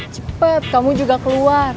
cepet kamu juga keluar